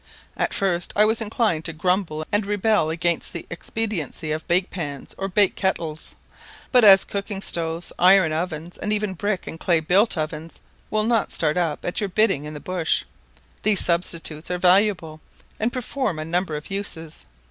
At first I was inclined to grumble and rebel against the expediency of bake pans or bake kettles; but as cooking stoves, iron ovens, and even brick and clay built ovens, will not start up at your bidding in the bush, these substitutes are valuable, and perform a number of uses.